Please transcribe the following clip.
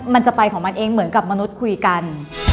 มันจะไปของมันเองเหมือนกับมนุษย์คุยกัน